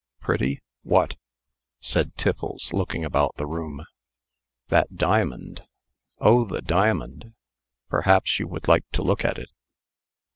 "Pretty! What?" said Tiffles, looking about the room. "That diamond." "Oh! the diamond. Perhaps you would like to look at it?"